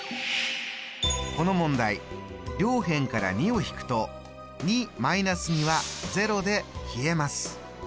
この問題両辺から２を引くと２ー２は０で消えます。